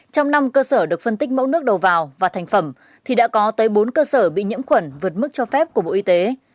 trong năm cơ sở được phân tích mẫu nước đầu vào và thành phẩm thì đã có tới bốn cơ sở bị nhiễm khuẩn vượt mức cho phép của bộ y tế